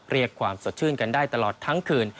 เรียกความสดชื่นกันได้ตลอดทั้งคืน